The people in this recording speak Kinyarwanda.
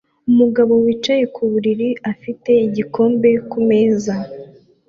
Umugabo wicaye ku buriri afite igikombe kumeza